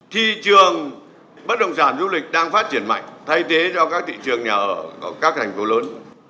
thị trường bất động sản du lịch đang phát triển mạnh thay thế cho các thị trường nhà ở các thành phố lớn